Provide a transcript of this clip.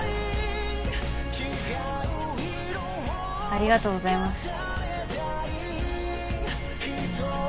ありがとうございます。